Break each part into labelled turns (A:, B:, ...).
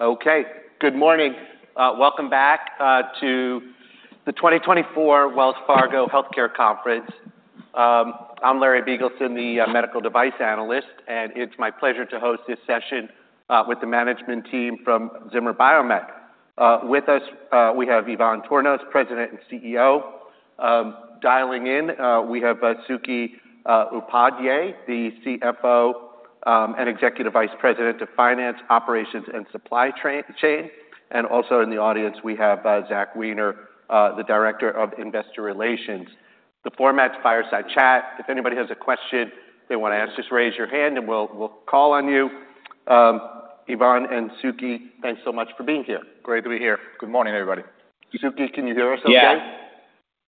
A: Okay, good morning. Welcome back to the 2024 Wells Fargo Healthcare Conference. I'm Larry Biegelsen, the medical device analyst, and it's my pleasure to host this session with the management team from Zimmer Biomet. With us we have Ivan Tornos, President and CEO. Dialing in we have Sukhi Upadhyay, the CFO and Executive Vice President of Finance, Operations, and Supply Chain. And also in the audience, we have Zach Weiner, the Director of Investor Relations. The format's fireside chat. If anybody has a question they wanna ask, just raise your hand and we'll call on you. Ivan and Sukhi, thanks so much for being here.
B: Great to be here. Good morning, everybody.
A: Sukhi, can you hear us okay?
C: Yeah.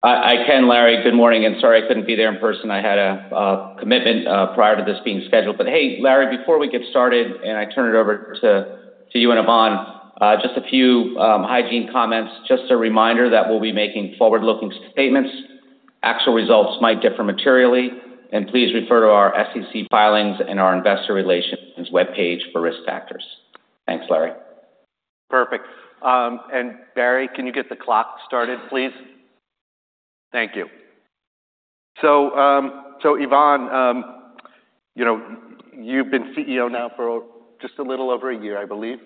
C: I can, Larry. Good morning, and sorry I couldn't be there in person. I had a commitment prior to this being scheduled. But hey, Larry, before we get started, and I turn it over to you and Ivan, just a few hygiene comments. Just a reminder that we'll be making forward-looking statements. Actual results might differ materially, and please refer to our SEC filings and our investor relations webpage for risk factors. Thanks, Larry.
A: Perfect.
C: And Larry, can you get the clock started, please? Thank you.
A: Ivan, you know, you've been CEO now for just a little over a year, I believe.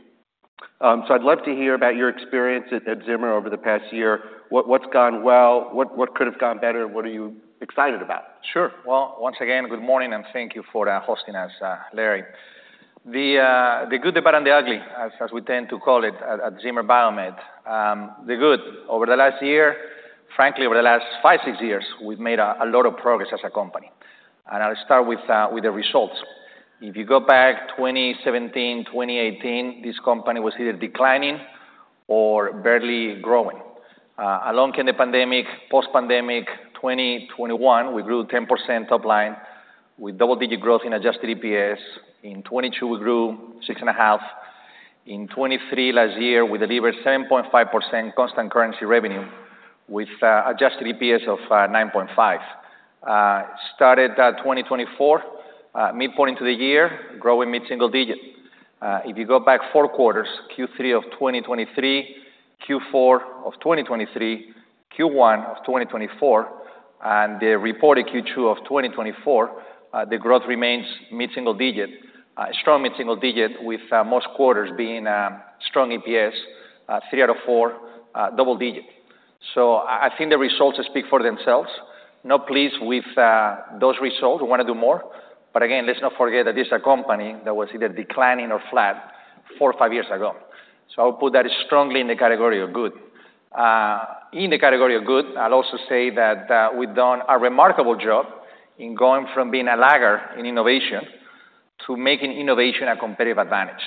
A: I'd love to hear about your experience at Zimmer over the past year. What's gone well? What could have gone better? What are you excited about?
B: Sure. Well, once again, good morning, and thank you for hosting us, Larry. The good, the bad, and the ugly, as we tend to call it at Zimmer Biomet. The good, over the last year, frankly, over the last five, six years, we've made a lot of progress as a company, and I'll start with the results. If you go back 2017, 2018, this company was either declining or barely growing. Along came the pandemic, post-pandemic, 2021, we grew 10% top line with double-digit growth in adjusted EPS. In 2022, we grew 6.5%. In 2023, last year, we delivered 7.5% constant currency revenue with adjusted EPS of $9.5. Started 2024, midpoint into the year, growing mid-single digit. If you go back four quarters, Q3 of 2023, Q4 of 2023, Q1 of 2024, and the reported Q2 of 2024, the growth remains mid-single-digit, strong mid-single-digit, with most quarters being strong EPS, three out of four double-digit. So I think the results speak for themselves. Not pleased with those results. We wanna do more, but again, let's not forget that this is a company that was either declining or flat four, five years ago. So I'll put that strongly in the category of good. In the category of good, I'll also say that we've done a remarkable job in going from being a lagger in innovation to making innovation a competitive advantage.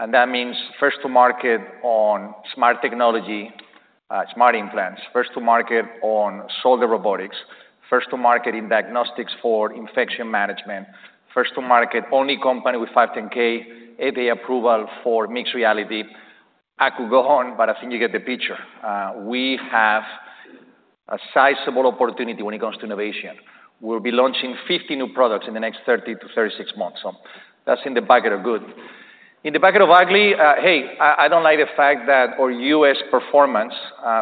B: And that means first to market on smart technology, smart implants, first to market on ROSA robotics, first to market in diagnostics for infection management, first to market, only company with 510(k) FDA approval for mixed reality. I could go on, but I think you get the picture. We have a sizable opportunity when it comes to innovation. We'll be launching 50 new products in the next 30 to 36 months, so that's in the bucket of good. In the bucket of ugly, hey, I, I don't like the fact that our U.S. performance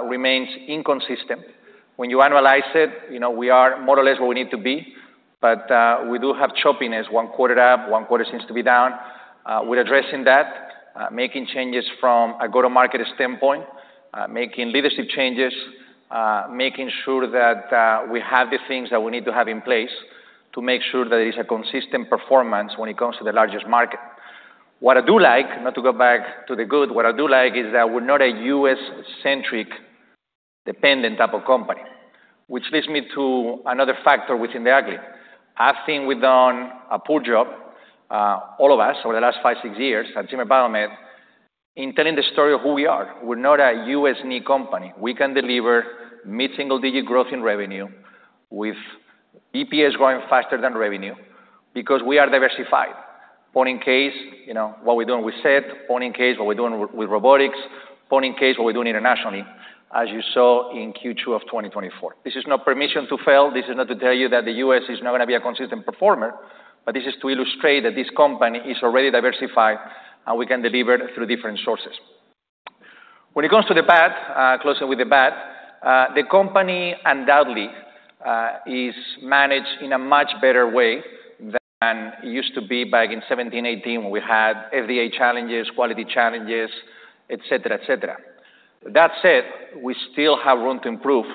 B: remains inconsistent. When you annualize it, you know, we are more or less where we need to be, but, we do have choppiness, one quarter up, one quarter seems to be down. We're addressing that, making changes from a go-to-market standpoint, making leadership changes, making sure that we have the things that we need to have in place to make sure that it's a consistent performance when it comes to the largest market. What I do like, not to go back to the good, what I do like is that we're not a U.S.-centric, dependent type of company, which leads me to another factor within the ugly. I think we've done a poor job, all of us, over the last five, six years at Zimmer Biomet, in telling the story of who we are. We're not a U.S. knee company. We can deliver mid-single-digit growth in revenue, with EPS growing faster than revenue, because we are diversified. Point in case, you know, what we're doing with SET. Point in case, what we're doing with robotics. Point in case, what we're doing internationally, as you saw in Q2 of 2024. This is not permission to fail. This is not to tell you that the U.S. is not gonna be a consistent performer, but this is to illustrate that this company is already diversified, and we can deliver through different sources. When it comes to the bad, closing with the bad, the company undoubtedly is managed in a much better way than it used to be back in seventeen, eighteen, when we had FDA challenges, quality challenges, et cetera, et cetera. That said, we still have room to improve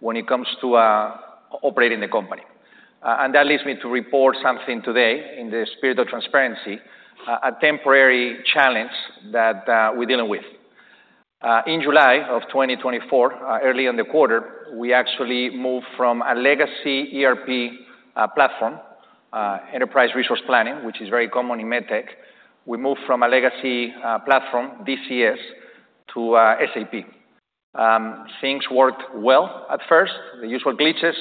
B: when it comes to operating the company. And that leads me to report something today in the spirit of transparency, a temporary challenge that we're dealing with. In July of 2024, early in the quarter, we actually moved from a legacy ERP, platform, enterprise resource planning, which is very common in med tech. We moved from a legacy, platform, DCS, to, SAP. Things worked well at first, the usual glitches.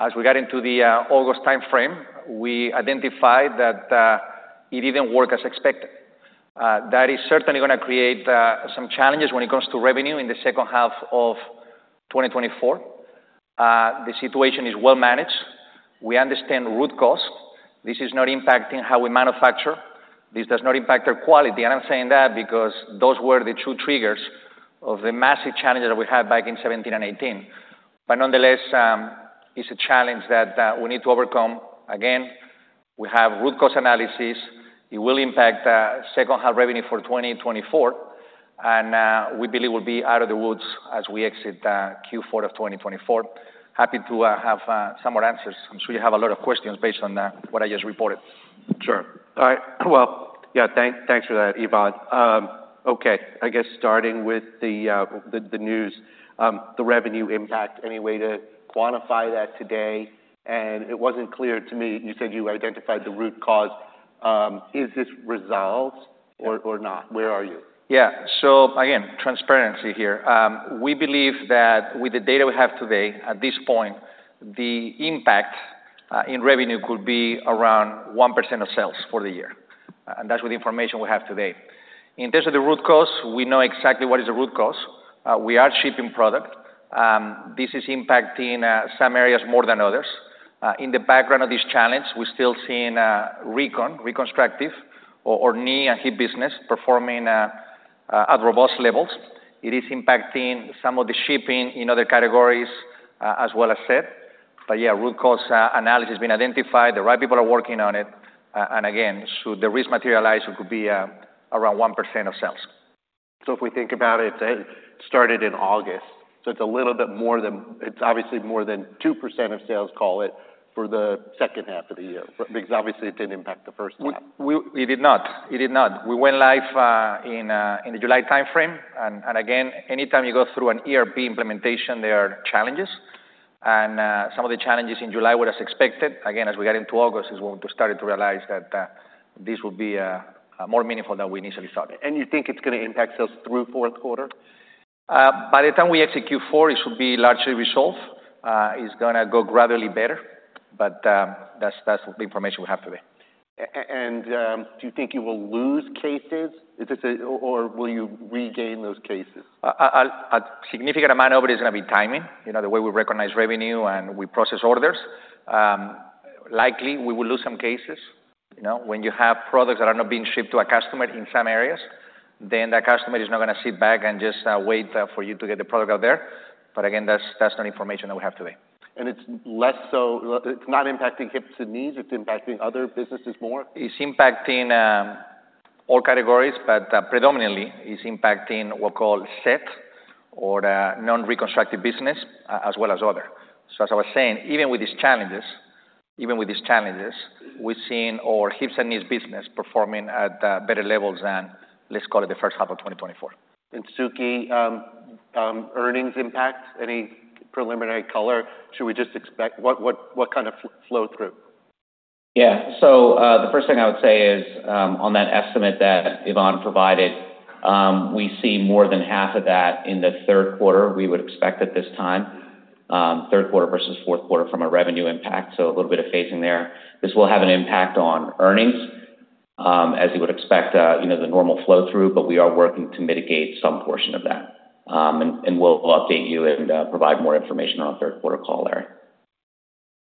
B: As we got into the, August timeframe, we identified that, it didn't work as expected. That is certainly gonna create, some challenges when it comes to revenue in the second half of 2024. The situation is well managed. We understand root cause. This is not impacting how we manufacture. This does not impact our quality, and I'm saying that because those were the two triggers of the massive challenges that we had back in 2017 and 2018. But nonetheless, it's a challenge that, we need to overcome. Again, we have root cause analysis. It will impact second half revenue for 2024, and we believe we'll be out of the woods as we exit Q4 of 2024. Happy to have some more answers. I'm sure you have a lot of questions based on what I just reported.
A: Sure. All right, well, yeah, thanks for that, Ivan. Okay, I guess starting with the news, the revenue impact, any way to quantify that today? And it wasn't clear to me, you said you identified the root cause. Is this resolved or not? Where are you?
B: Yeah. So again, transparency here. We believe that with the data we have today, at this point, the impact in revenue could be around 1% of sales for the year, and that's with the information we have today. In terms of the root cause, we know exactly what is the root cause. We are shipping product. This is impacting some areas more than others. In the background of this challenge, we're still seeing recon, reconstructive or knee and hip business performing at robust levels. It is impacting some of the shipping in other categories, as well as SET, but yeah, root cause analysis has been identified. The right people are working on it, and again, should the risk materialize, it could be around 1% of sales.
A: If we think about it, it started in August, so it's a little bit more than... It's obviously more than 2% of sales, call it, for the second half of the year, because obviously it didn't impact the first half.
B: It did not. We went live in the July timeframe, and again, anytime you go through an ERP implementation, there are challenges. Some of the challenges in July were as expected. Again, as we got into August is when we started to realize that this would be more meaningful than we initially thought.
A: You think it's gonna impact sales through fourth quarter?
B: By the time we exit Q4, it should be largely resolved. It's gonna go gradually better, but that's the information we have today.
A: Do you think you will lose cases? Is this a... or will you regain those cases?
B: A significant amount of it is gonna be timing, you know, the way we recognize revenue, and we process orders. Likely, we will lose some cases. You know, when you have products that are not being shipped to a customer in some areas, then that customer is not gonna sit back and just for you to get the product out there. But again, that's not information that we have today.
A: It's less so. It's not impacting hips and knees. It's impacting other businesses more?
B: It's impacting all categories, but predominantly, it's impacting what we call SET or the non-reconstructive business, as well as other. So as I was saying, even with these challenges, we've seen our hips and knees business performing at better levels than, let's call it, the first half of 2024.
A: Sukhi, earnings impact, any preliminary color? Should we just expect... What kind of flow through?
C: Yeah. So, the first thing I would say is, on that estimate that Ivan provided, we see more than half of that in the third quarter. We would expect at this time, third quarter versus fourth quarter from a revenue impact, so a little bit of phasing there. This will have an impact on earnings, as you would expect, you know, the normal flow through, but we are working to mitigate some portion of that. And we'll update you and provide more information on the third quarter call, Larry.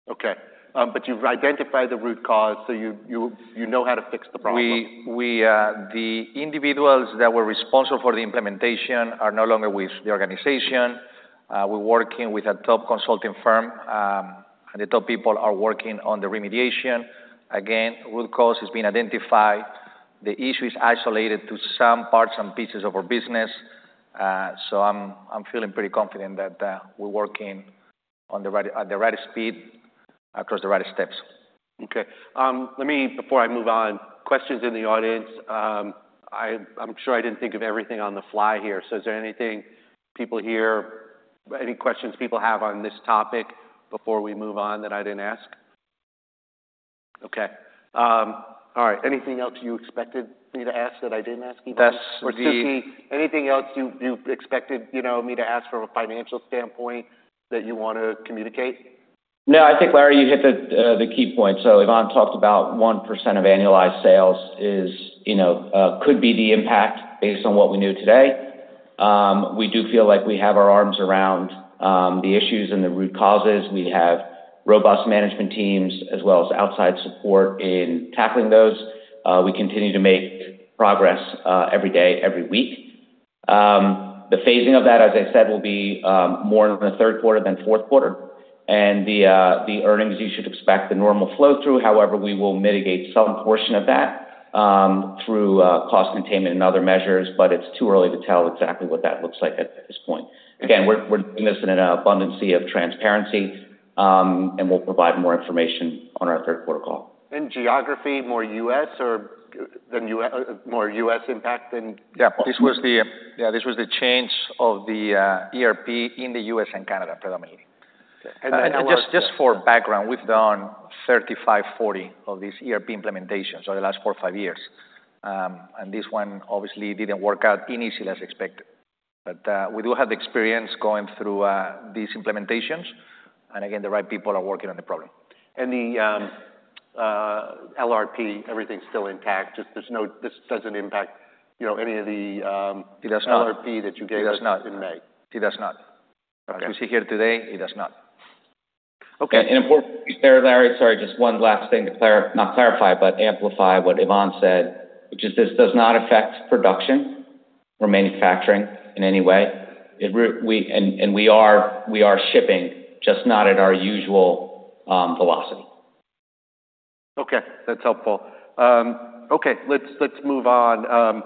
A: Okay, but you've identified the root cause, so you know how to fix the problem?
B: The individuals that were responsible for the implementation are no longer with the organization. We're working with a top consulting firm, and the top people are working on the remediation. Again, root cause has been identified. The issue is isolated to some parts and pieces of our business, so I'm feeling pretty confident that we're working on the right, at the right speed, across the right steps.
A: Okay. Let me, before I move on, questions in the audience. I'm sure I didn't think of everything on the fly here, so is there anything people here, any questions people have on this topic before we move on, that I didn't ask? Okay. All right. Anything else you expected me to ask that I didn't ask you?
B: That's-
A: Or Suki, anything else you expected, you know, me to ask from a financial standpoint that you want to communicate?
C: No, I think, Larry, you hit the key points. So Ivan talked about 1% of annualized sales is, you know, could be the impact based on what we knew today. We do feel like we have our arms around the issues and the root causes. We have robust management teams, as well as outside support in tackling those. We continue to make progress every day, every week. The phasing of that, as I said, will be more in the third quarter than fourth quarter. And the earnings, you should expect the normal flow through. However, we will mitigate some portion of that through cost containment and other measures, but it's too early to tell exactly what that looks like at this point. Again, we're missing an abundance of transparency, and we'll provide more information on our third quarter call.
A: Geography, more U.S. impact than-
B: Yeah, this was the change of the ERP in the U.S. and Canada, predominantly.
A: Okay, and then-
B: And just for background, we've done 35, 40 of these ERP implementations over the last four or five years. And this one obviously didn't work out initially as expected. But we do have the experience going through these implementations, and again, the right people are working on the problem.
A: And LRP, everything's still intact, just this doesn't impact, you know, any of the.
B: It does not.
A: LRP that you gave us in May?
B: It does not. It does not.
A: Okay.
B: As we see here today, it does not.
A: Okay.
C: And importantly, there, Larry, sorry, just one last thing to not clarify, but amplify what Ivan said, which is this does not affect production or manufacturing in any way. We are shipping, just not at our usual velocity.
A: Okay, that's helpful. Okay, let's move on.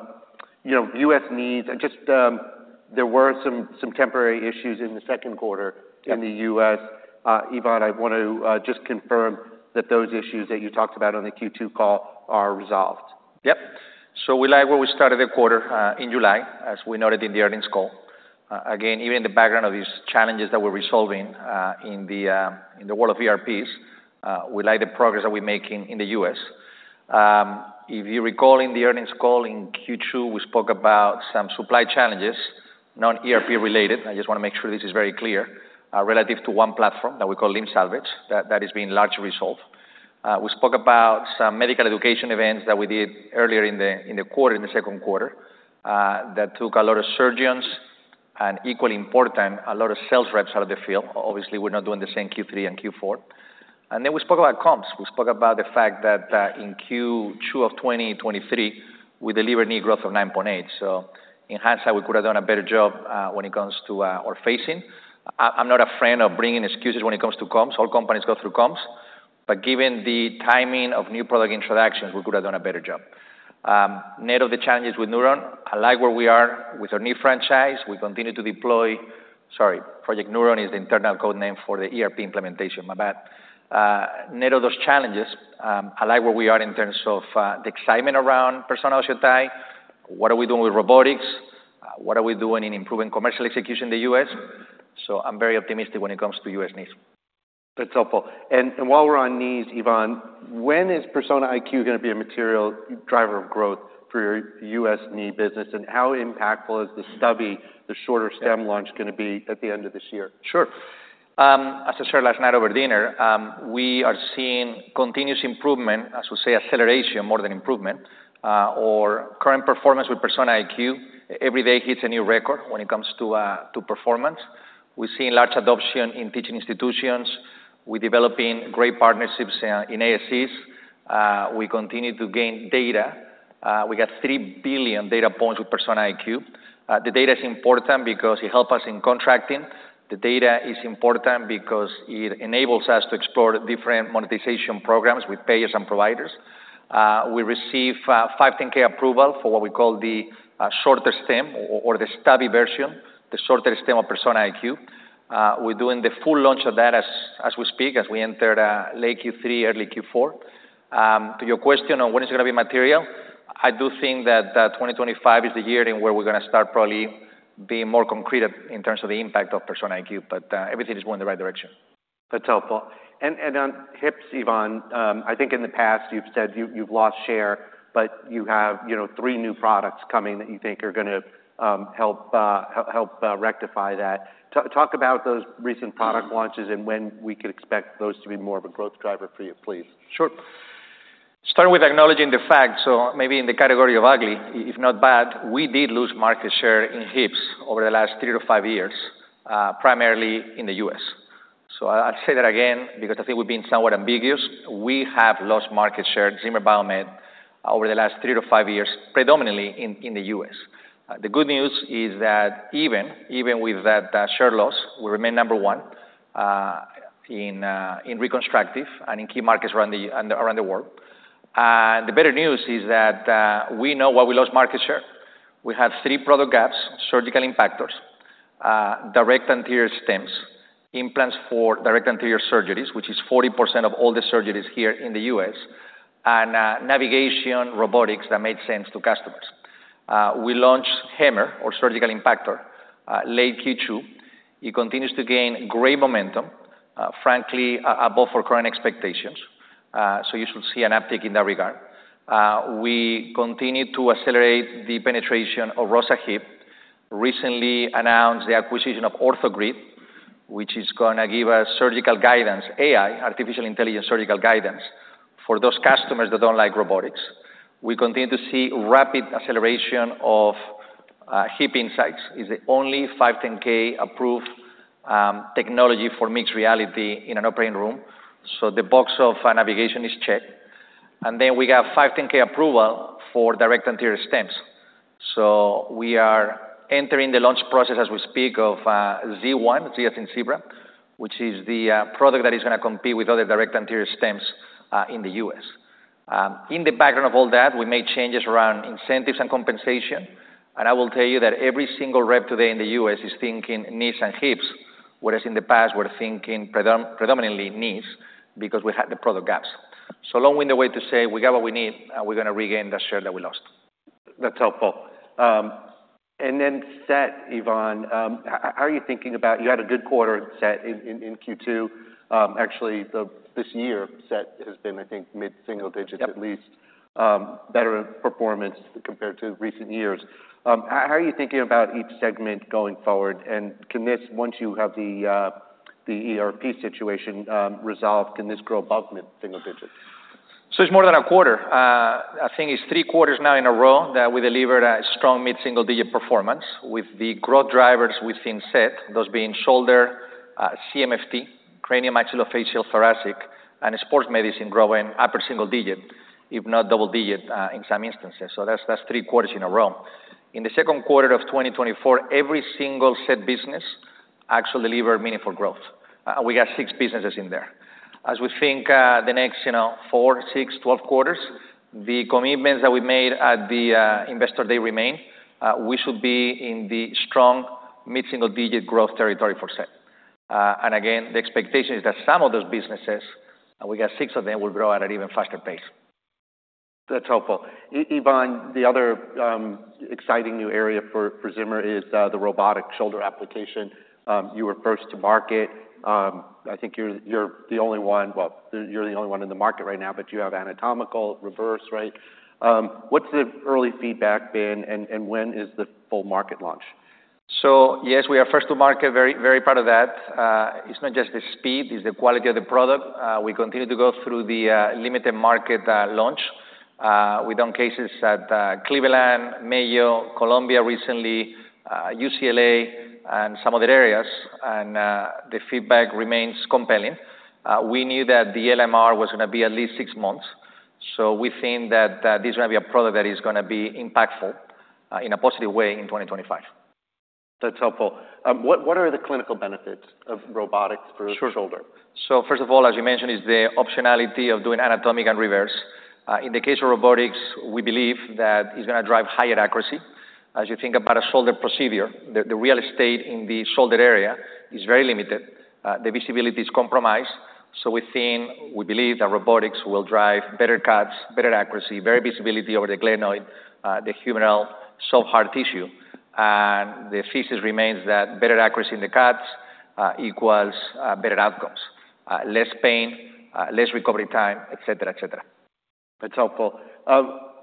A: You know, U.S. knees, and just, there were some temporary issues in the second quarter- -in the U.S. Ivan, I want to just confirm that those issues that you talked about on the Q2 call are resolved.
B: Yep. So we like where we started the quarter in July, as we noted in the earnings call. Again, even in the background of these challenges that we're resolving in the world of ERPs, we like the progress that we're making in the U.S. If you recall, in the earnings call in Q2, we spoke about some supply challenges, non-ERP related. I just wanna make sure this is very clear relative to one platform that we call limb salvage that is being largely resolved. We spoke about some medical education events that we did earlier in the quarter, in the second quarter, that took a lot of surgeons, and equally important, a lot of sales reps out of the field. Obviously, we're not doing the same Q3 and Q4. And then we spoke about comps. We spoke about the fact that in Q2 of 2023, we delivered knee growth of 9.8%. So in hindsight, we could have done a better job when it comes to our phasing. I'm not a friend of bringing excuses when it comes to comps. All companies go through comps. But given the timing of new product introductions, we could have done a better job. Net of the challenges with Neuron, I like where we are with our knee franchise. We continue to deploy. Sorry, Project Neuron is the internal code name for the ERP implementation, my bad. Net of those challenges, I like where we are in terms of the excitement around Persona OsseoTi. What are we doing with robotics? What are we doing in improving commercial execution in the US? I'm very optimistic when it comes to U.S. knees.
A: That's helpful. And while we're on knees, Ivan, when is Persona IQ gonna be a material driver of growth for your U.S. knee business? And how impactful is the stubby, the shorter stem launch gonna be at the end of this year?
B: Sure. As I shared last night over dinner, we are seeing continuous improvement, I should say acceleration more than improvement, or current performance with Persona IQ. Every day hits a new record when it comes to performance. We've seen large adoption in teaching institutions. We're developing great partnerships in ASCs. We continue to gain data. We got three billion data points with Persona IQ. The data is important because it help us in contracting. The data is important because it enables us to explore different monetization programs with payers and providers. We receive 510(k) approval for what we call the shorter stem or the stubby version, the shorter stem of Persona IQ. We're doing the full launch of that as we speak, as we enter late Q3, early Q4. To your question on when it's gonna be material, I do think that 2025 is the year in where we're gonna start probably being more concrete in terms of the impact of Persona IQ, but everything is going in the right direction.
A: That's helpful. And on hips, Ivan, I think in the past you've said you've lost share, but you have, you know, three new products coming that you think are gonna help rectify that. Talk about those recent product launches and when we could expect those to be more of a growth driver for you, please?
B: Sure. Starting with acknowledging the fact, so maybe in the category of ugly, if not bad, we did lose market share in hips over the last three to five years, primarily in the U.S. So I'll say that again because I think we've been somewhat ambiguous. We have lost market share, Zimmer Biomet, over the last three to five years, predominantly in the U.S. The good news is that even with that share loss, we remain number one in reconstructive and in key markets around the world. The better news is that we know why we lost market share. We have three product gaps, surgical impactors, direct anterior stems, implants for direct anterior surgeries, which is 40% of all the surgeries here in the U.S., and navigation robotics that make sense to customers. We launched HAMMR, our surgical impactor, late Q2. It continues to gain great momentum, frankly, above our current expectations, so you should see an uptick in that regard. We continue to accelerate the penetration of ROSA Hip, recently announced the acquisition of OrthoGrid, which is gonna give us surgical guidance, AI, artificial intelligence surgical guidance, for those customers that don't like robotics. We continue to see rapid acceleration of HipInsight. It's the only 510(k) approved technology for mixed reality in an operating room, so the box of navigation is checked. And then we got 510(k) approval for direct anterior stems. So we are entering the launch process, as we speak, of Z1, Z as in zebra, which is the product that is gonna compete with other direct anterior stems in the U.S. In the background of all that, we made changes around incentives and compensation, and I will tell you that every single rep today in the U.S. is thinking knees and hips, whereas in the past, we're thinking predominantly knees, because we had the product gaps. So long winded way to say, we got what we need, and we're gonna regain the share that we lost.
A: That's helpful. And then SET, Ivan, how are you thinking about... You had a good quarter in SET in Q2. Actually, this year, SET has been, I think, mid-single digits at least. Better performance compared to recent years. How are you thinking about each segment going forward? And can this, once you have the ERP situation resolved, can this grow above mid-single digits?
B: It's more than a quarter. I think it's three quarters now in a row that we delivered a strong mid-single-digit performance with the growth drivers within SET, those being shoulder, CMFT, cranium, maxillofacial, thoracic, and sports medicine growing upper-single-digit, if not double-digit, in some instances. That's, that's three quarters in a row. In the second quarter of 2024, every single SET business actually delivered meaningful growth, and we got six businesses in there. As we think the next, you know, four, six, 12 quarters, the commitments that we made at the Investor Day remain, we should be in the strong mid-single-digit growth territory for SET. And again, the expectation is that some of those businesses, and we got six of them, will grow at an even faster pace.
A: That's helpful. Ivan, the other exciting new area for Zimmer is the robotic shoulder application. You were first to market. I think you're the only one. Well, you're the only one in the market right now, but you have anatomical reverse, right? What's the early feedback been, and when is the full market launch?
B: So yes, we are first to market, very, very proud of that. It's not just the speed, it's the quality of the product. We continue to go through the limited market launch. We've done cases at Cleveland, Mayo, Columbia recently, UCLA and some other areas, and the feedback remains compelling. We knew that the LMR was gonna be at least six months, so we think that this is gonna be a product that is gonna be impactful in a positive way in 2025. That's helpful. What are the clinical benefits of robotics for-... shoulder? First of all, as you mentioned, it's the optionality of doing anatomic and reverse. In the case of robotics, we believe that it's gonna drive higher accuracy. As you think about a shoulder procedure, the real estate in the shoulder area is very limited. The visibility is compromised. We think, we believe that robotics will drive better cuts, better accuracy, better visibility over the glenoid, the humeral soft hard tissue. The thesis remains that better accuracy in the cuts equals better outcomes, less pain, less recovery time, et cetera, et cetera.
A: That's helpful.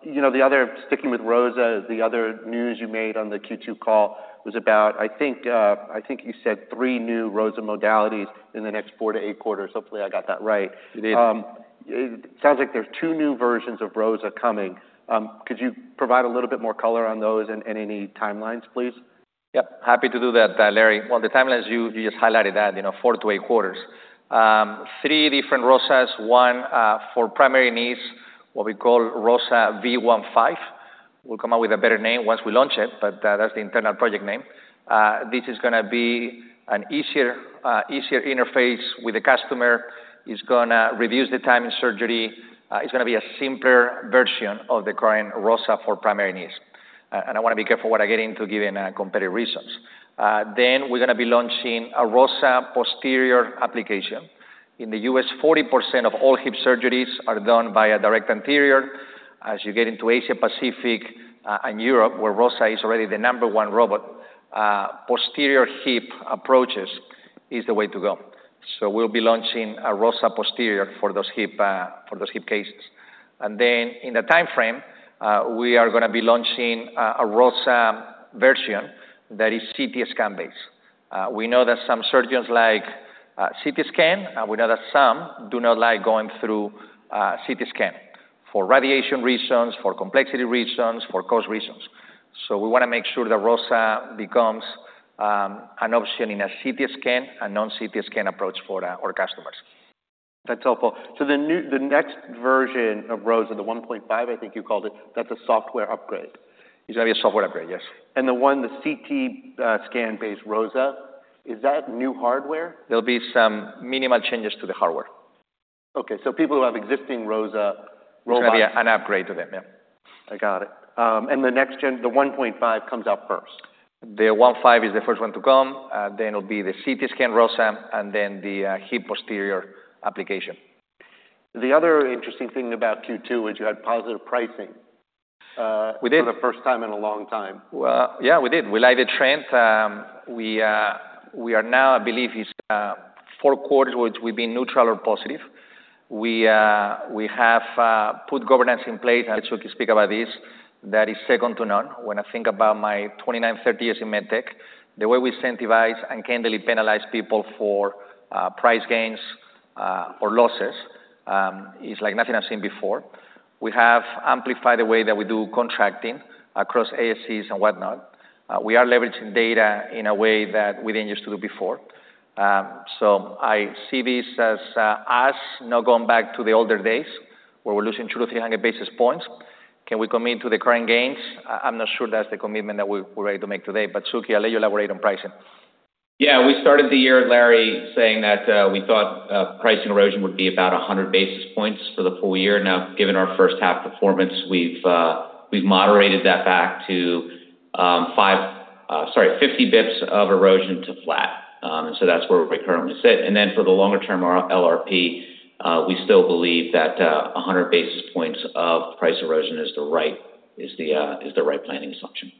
A: You know, the other, sticking with ROSA, the other news you made on the Q2 call was about, I think, I think you said three new ROSA modalities in the next four to eight quarters. Hopefully, I got that right.
B: You did.
A: It sounds like there's two new versions of ROSA coming. Could you provide a little bit more color on those and any timelines, please?
B: Yep, happy to do that, Larry. The timelines you just highlighted that, you know, four to eight quarters. Three different ROSAs, one for primary knees, what we call ROSA V1.5. We'll come up with a better name once we launch it, but that's the internal project name. This is gonna be an easier interface with the customer. It's gonna reduce the time in surgery. It's gonna be a simpler version of the current ROSA for primary knees, and I wanna be careful what I get into, given competitive reasons, then we're gonna be launching a ROSA posterior application. In the U.S., 40% of all hip surgeries are done via direct anterior. As you get into Asia Pacific and Europe, where ROSA is already the number one robot, posterior hip approaches is the way to go, so we'll be launching a ROSA posterior for those hip cases, and then in the timeframe, we are gonna be launching a ROSA version that is CT scan based. We know that some surgeons like CT scan, and we know that some do not like going through CT scan for radiation reasons, for complexity reasons, for cost reasons. So we wanna make sure that ROSA becomes an option in a CT scan and non-CT scan approach for our customers.
A: That's helpful. So the next version of ROSA, the 1.5, I think you called it, that's a software upgrade?
B: It's gonna be a software upgrade, yes.
A: The one, the CT scan-based ROSA, is that new hardware?
B: There'll be some minimal changes to the hardware.
A: Okay, so people who have existing ROSA robots-
B: It's gonna be an upgrade to them, yeah.
A: I got it. And the next gen, the 1.5 comes out first?
B: The 1.5 is the first one to come, then it'll be the CT scan ROSA, and then the hip posterior application.
A: The other interesting thing about Q2 is you had positive pricing. We did. -for the first time in a long time.
B: Well, yeah, we did. We like the trend. We are now, I believe, it's four quarters, which we've been neutral or positive. We have put governance in place, and Sukhi, speak about this, that is second to none. When I think about my 29-30 years in med tech, the way we incentivize and candidly penalize people for price gains or losses is like nothing I've seen before. We have amplified the way that we do contracting across ASCs and whatnot. We are leveraging data in a way that we didn't used to do before. So I see this as us now going back to the older days, where we're losing 200-300 basis points. Can we commit to the current gains? I'm not sure that's the commitment that we're ready to make today, but Sukhi, I'll let you elaborate on pricing.
C: Yeah, we started the year, Larry, saying that we thought pricing erosion would be about a hundred basis points for the full year. Now, given our first half performance, we've moderated that back to fifty basis points of erosion to flat. And so that's where we currently sit. And then for the longer term, our LRP, we still believe that a hundred basis points of price erosion is the right planning assumption....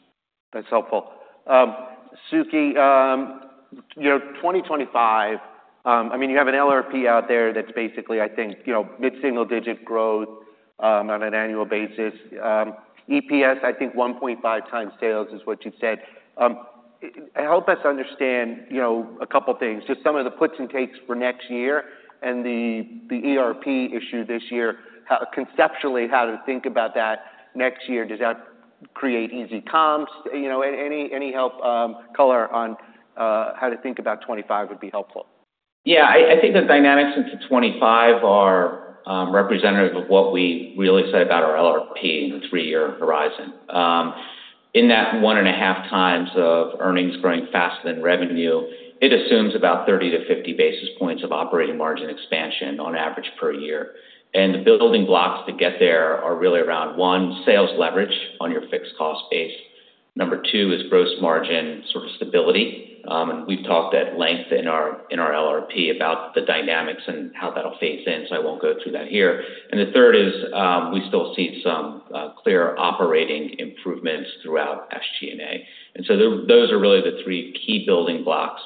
A: That's helpful. Sukhi, you know, twenty twenty-five, I mean, you have an LRP out there that's basically, I think, you know, mid-single digit growth, on an annual basis. EPS, I think one point five times sales is what you've said. Help us understand, you know, a couple things, just some of the puts and takes for next year and the, the ERP issue this year, how conceptually, how to think about that next year. Does that create easy comps? You know, any, any help, color on, how to think about 'twenty-five would be helpful.
C: Yeah, I think the dynamics into 2025 are representative of what we really said about our LRP in the three-year horizon. In that one and a half times of earnings growing faster than revenue, it assumes about 30-50 basis points of operating margin expansion on average per year. The building blocks to get there are really around one, sales leverage on your fixed cost base. Number two is gross margin sort of stability, and we've talked at length in our LRP about the dynamics and how that'll phase in, so I won't go through that here. The third is we still see some clear operating improvements throughout SG&A. And so those are really the three key building blocks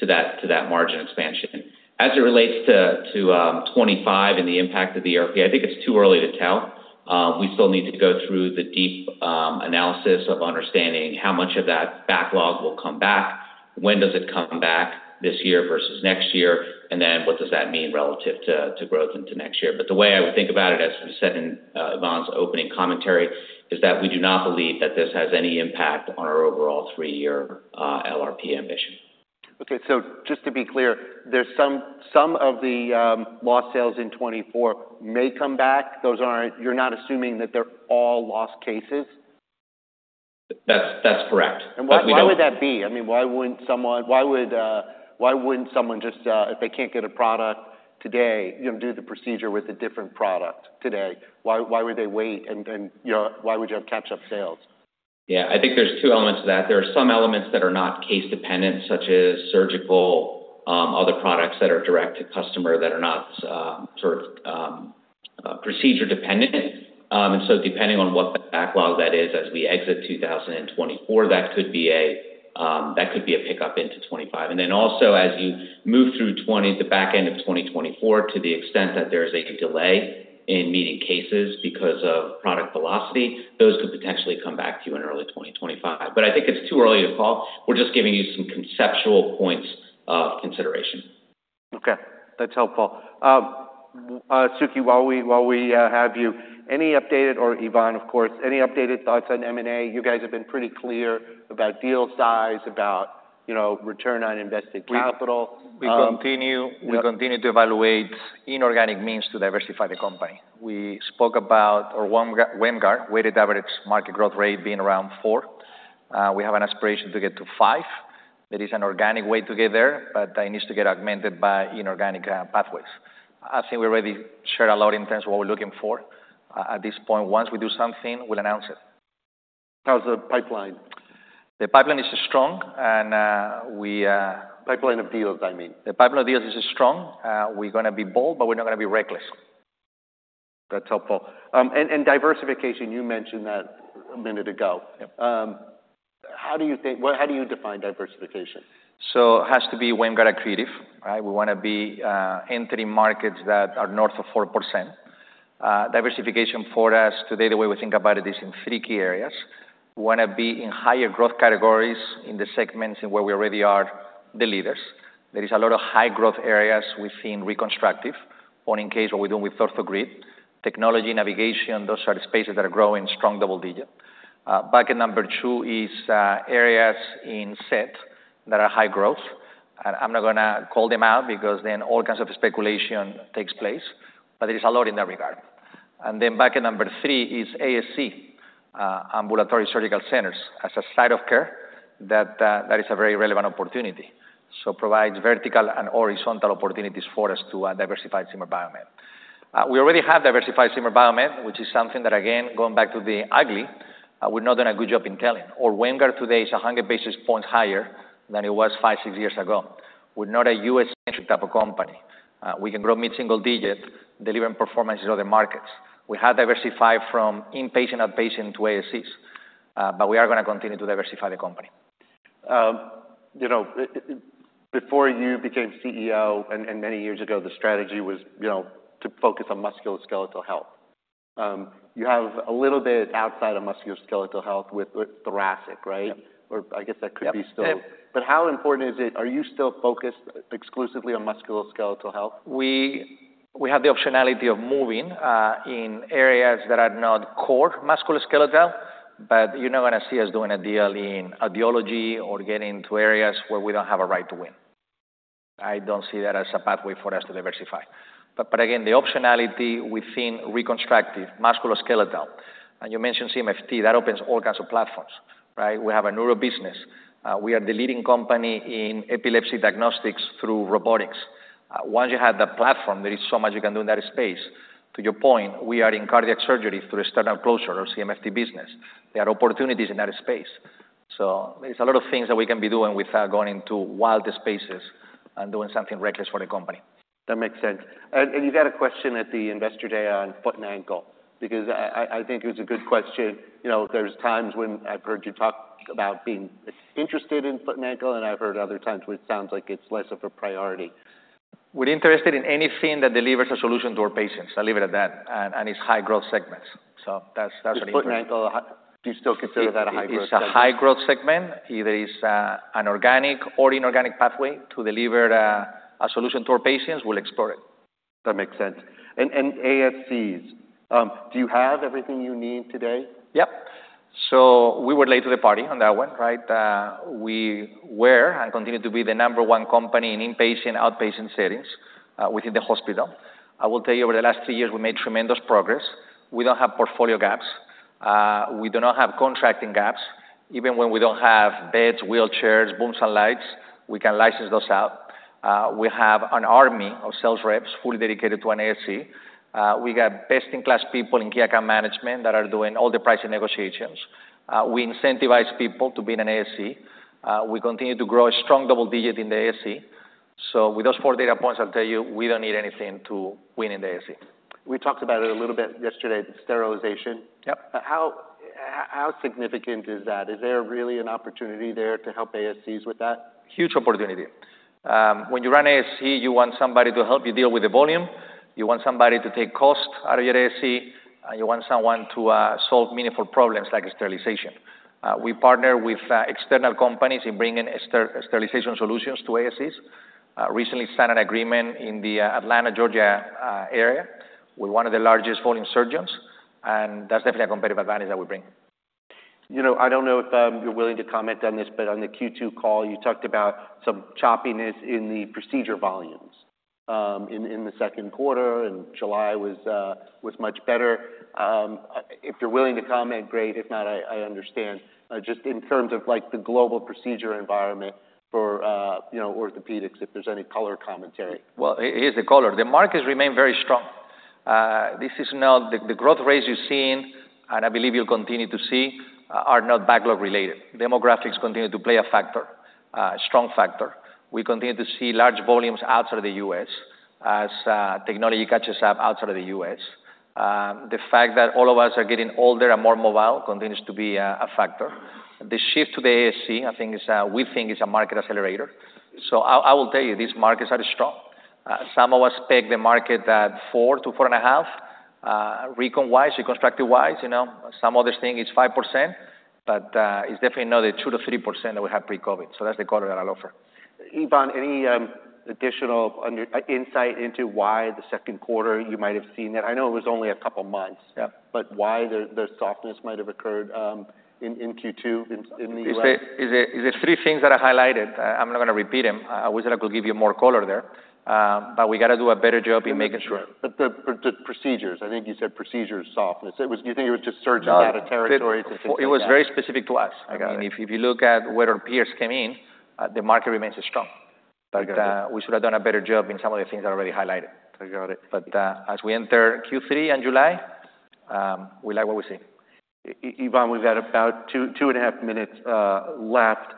C: to that margin expansion. As it relates to 2025 and the impact of the ERP, I think it's too early to tell. We still need to go through the deep analysis of understanding how much of that backlog will come back, when does it come back, this year versus next year, and then what does that mean relative to growth into next year? But the way I would think about it, as we said in Ivan's opening commentary, is that we do not believe that this has any impact on our overall three-year LRP ambition.
A: Okay, so just to be clear, there's some of the lost sales in 2024 may come back? Those aren't. You're not assuming that they're all lost cases?
C: That's correct. But we don't-
A: Why, why would that be? I mean, why wouldn't someone just, if they can't get a product today, you know, do the procedure with a different product today? Why, why would they wait, and, you know, why would you have catch-up sales?
C: Yeah. I think there's two elements to that. There are some elements that are not case dependent, such as surgical, other products that are direct to customer that are not, sort of, procedure dependent. And so depending on what the backlog that is as we exit two thousand and twenty-four, that could be a pickup into 'twenty-five. And then also, as you move through the back end of 2024, to the extent that there is a delay in meeting cases because of product velocity, those could potentially come back to you in early twenty twenty-five. But I think it's too early to call. We're just giving you some conceptual points of consideration.
A: Okay, that's helpful. Sukhi, while we have you, any updated, or Ivan, of course, any updated thoughts on M&A? You guys have been pretty clear about deal size, about, you know, return on invested capital.
B: We continue to evaluate inorganic means to diversify the company. We spoke about our WAMGR, weighted average market growth rate, being around four. We have an aspiration to get to five. There is an organic way to get there, but that needs to get augmented by inorganic pathways. I think we already shared a lot in terms of what we're looking for. At this point, once we do something, we'll announce it.
A: How's the pipeline?
B: The pipeline is strong and we
A: Pipeline of deals, I mean.
B: The pipeline of deals is strong. We're gonna be bold, but we're not gonna be reckless.
A: That's helpful, and diversification, you mentioned that a minute ago. How do you think, well, how do you define diversification?
B: So it has to be WAMGR creative, right? We wanna be entering markets that are north of 4%. Diversification for us today, the way we think about it, is in three key areas. We wanna be in higher growth categories in the segments in where we already are the leaders. There is a lot of high growth areas we see in reconstructive, one in case what we're doing with OrthoGrid. Technology, navigation, those are the spaces that are growing strong double-digit. Bucket number two is areas in SET that are high growth, and I'm not gonna call them out because then all kinds of speculation takes place, but there is a lot in that regard. And then bucket number three is ASC, ambulatory surgical centers. As a site of care, that is a very relevant opportunity, so provides vertical and horizontal opportunities for us to diversify Zimmer Biomet. We already have diversified Zimmer Biomet, which is something that, again, going back to the ugly, we've not done a good job in telling. Our WAMGR today is 100 basis points higher than it was five, six years ago. We're not a U.S.-centric type of company. We can grow mid-single digit, delivering performance in other markets. We have diversified from inpatient, outpatient to ASCs, but we are gonna continue to diversify the company.
A: You know, before you became CEO, and many years ago, the strategy was, you know, to focus on musculoskeletal health. You have a little bit outside of musculoskeletal health with thoracic, right? Or I guess that could be still- But how important is it? Are you still focused exclusively on musculoskeletal health?
B: We have the optionality of moving in areas that are not core musculoskeletal, but you're not gonna see us doing a deal in audiology or getting to areas where we don't have a right to win. I don't see that as a pathway for us to diversify. But again, the optionality within reconstructive musculoskeletal, and you mentioned CMFT, that opens all kinds of platforms, right? We have a neuro business. We are the leading company in epilepsy diagnostics through robotics. Once you have the platform, there is so much you can do in that space. To your point, we are in cardiac surgery through a sternal closure, our CMFT business. There are opportunities in that space, so there's a lot of things that we can be doing without going into wild spaces and doing something reckless for the company....
A: That makes sense. And you got a question at the Investor Day on foot and ankle, because I think it was a good question. You know, there's times when I've heard you talk about being interested in foot and ankle, and I've heard other times where it sounds like it's less of a priority.
B: We're interested in anything that delivers a solution to our patients. I'll leave it at that, and it's high growth segments. So that's an-
A: Is foot and ankle, do you still consider that a high growth segment?
B: It's a high growth segment. If there is an organic or inorganic pathway to deliver a solution to our patients, we'll explore it.
A: That makes sense. And ASCs, do you have everything you need today?
B: Yep. So we were late to the party on that one, right? We were, and continue to be, the number one company in inpatient/outpatient settings, within the hospital. I will tell you, over the last three years, we made tremendous progress. We don't have portfolio gaps. We do not have contracting gaps. Even when we don't have beds, wheelchairs, booms, and lights, we can license those out. We have an army of sales reps fully dedicated to an ASC. We got best-in-class people in key account management that are doing all the pricing negotiations. We incentivize people to be in an ASC. We continue to grow a strong double digit in the ASC. So with those four data points, I'll tell you, we don't need anything to win in the ASC.
A: We talked about it a little bit yesterday, the sterilization. How, how significant is that? Is there really an opportunity there to help ASCs with that?
B: Huge opportunity. When you run ASC, you want somebody to help you deal with the volume, you want somebody to take cost out of your ASC, and you want someone to solve meaningful problems, like sterilization. We partner with external companies in bringing sterilization solutions to ASCs. Recently signed an agreement in the Atlanta, Georgia area, with one of the largest volume surgeons, and that's definitely a competitive advantage that we bring.
A: You know, I don't know if you're willing to comment on this, but on the Q2 call, you talked about some choppiness in the procedure volumes in the second quarter, and July was much better. If you're willing to comment, great. If not, I understand. Just in terms of, like, the global procedure environment for, you know, orthopedics, if there's any color commentary.
B: Here's the color. The markets remain very strong. The growth rates you've seen, and I believe you'll continue to see, are not backlog related. Demographics continue to play a factor, a strong factor. We continue to see large volumes outside of the U.S. as technology catches up outside of the U.S. The fact that all of us are getting older and more mobile continues to be a factor. The shift to the ASC, I think, we think, is a market accelerator. I will tell you, these markets are strong. Some of us peg the market at four to four and a half, recon-wise, reconstructive-wise, you know. Some others think it's 5%, but it's definitely not the 2%-3% that we had pre-COVID. That's the color that I'll offer. Ivan, any additional insight into why the second quarter you might have seen that? I know it was only a couple months- but why the softness might have occurred in Q2 in the US? It's the three things that I highlighted. I'm not gonna repeat them. I wish that I could give you more color there, but we gotta do a better job in making sure.
A: But the procedures, I think you said procedures softness. It was... Do you think it was just surgeons out of territory and things like that?
B: It was very specific to us.
A: I got it.
B: I mean, if you look at where our peers came in, the market remains strong.
A: I got it.
B: But, we should have done a better job in some of the things I already highlighted.
A: I got it.
B: But, as we enter Q3 in July, we like what we see. Ivan, we've got about two to two and a half minutes left.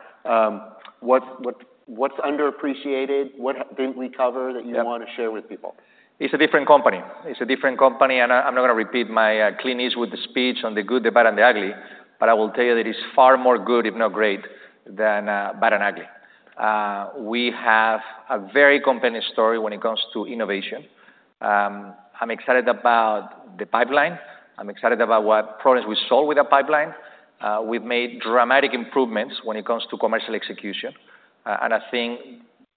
B: What's underappreciated? What didn't we cover- - that you wanna share with people? It's a different company. It's a different company, and I'm not gonna repeat my clean slate with the speech on the good, the bad, and the ugly, but I will tell you that it's far more good, if not great, than bad and ugly. We have a very competitive story when it comes to innovation. I'm excited about the pipeline. I'm excited about what problems we solve with the pipeline. We've made dramatic improvements when it comes to commercial execution, and I think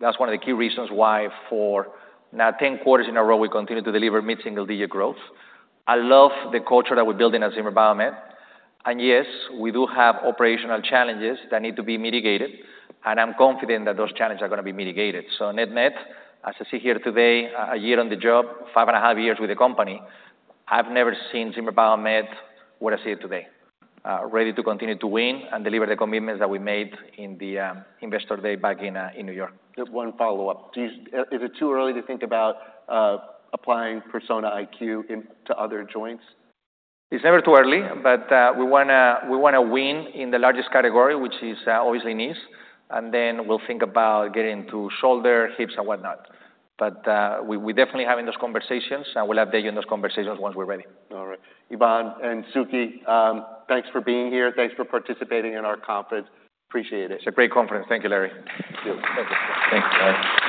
B: that's one of the key reasons why, for now, ten quarters in a row, we continue to deliver mid-single-digit growth. I love the culture that we're building at Zimmer Biomet. Yes, we do have operational challenges that need to be mitigated, and I'm confident that those challenges are gonna be mitigated. Net-net, as I sit here today, a year on the job, five and a half years with the company, I've never seen Zimmer Biomet where I see it today, ready to continue to win and deliver the commitments that we made in the Investor Day back in New York.
A: Just one follow-up. Is it too early to think about applying Persona IQ into other joints?
B: It's never too early, but we wanna win in the largest category, which is obviously knees, and then we'll think about getting to shoulder, hips, and whatnot. But we're definitely having those conversations, and we'll update you on those conversations once we're ready.
A: All right. Ivan and Sukhi, thanks for being here. Thanks for participating in our conference. Appreciate it.
B: It's a great conference. Thank you, Larry.
A: Thank you.
B: Thank you, Larry.